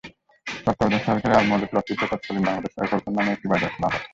তত্ত্বাবধায়ক সরকারের আমলে প্লটটিতে তৎকালীন বাংলাদেশ রাইফেলসের নামে একটি বাজার খোলা হয়।